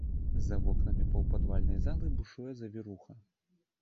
За вокнамі паўпадвальнай залы бушуе завіруха.